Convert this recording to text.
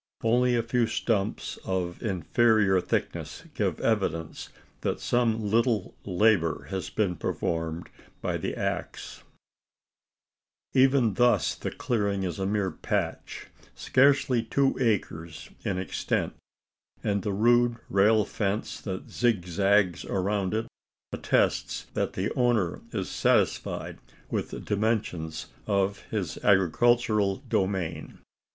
Only a few stumps of inferior thickness give evidence, that some little labour has been performed by the axe. Even thus the clearing is a mere patch scarcely two acres in extent and the rude rail fence, that zig zags around it, attests that the owner is satisfied with the dimensions of his agricultural domain.